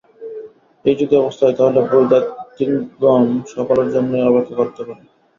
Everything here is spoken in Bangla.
এই যদি অবস্থা হয়, তাহলে বৈদান্তিকগণ সকলের জন্যই অপেক্ষা করতে পারেন।